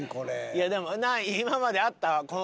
いやでもなあ今まであった？